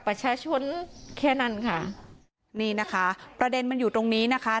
ประชาชนแค่นั้นค่ะนี่นะคะประเด็นมันอยู่ตรงนี้นะคะ